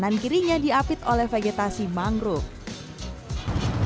dan kirinya diapit oleh vegetasi mangrove